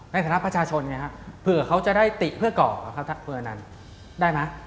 ในฐานะประชาชนไงฮะเผื่อเขาจะได้ติเพื่อก่อครับถ้าเผื่อนั้นได้ไหม